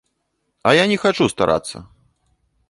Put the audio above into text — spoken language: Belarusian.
А я не хачу старацца.